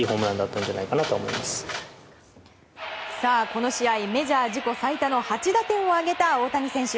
この試合メジャー自己最多の８打点を挙げた大谷選手。